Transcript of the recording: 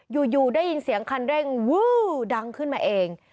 อยู่ได้ยินเสียงคันเร่งวื้อดังขึ้นมาเอง